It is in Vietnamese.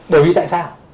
bởi vì tại sao